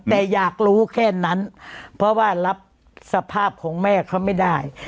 แต่อยากรู้แค่นั้นเพราะว่ารับสภาพของแม่เขาไม่ได้